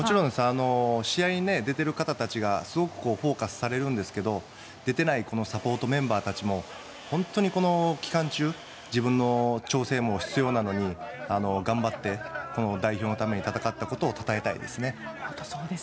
試合に出ている方たちがすごくフォーカスされるんですが出てないサポートメンバーたちも本当にこの期間中自分の調整も必要なのに頑張って代表のために戦ったことをたたえたいですね。